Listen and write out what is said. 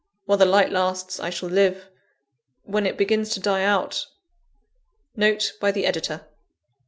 While the light lasts, I shall live; when it begins to die out * NOTE BY THE EDITOR.